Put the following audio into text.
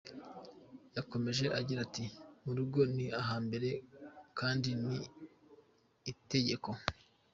Yakomeje agira ati “ ‘Mu rugo ni aha mbere’ kandi ni itegeko”.